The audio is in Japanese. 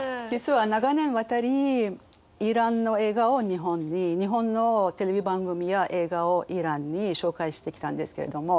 実は長年にわたりイランの映画を日本に日本のテレビ番組や映画をイランに紹介してきたんですけれども。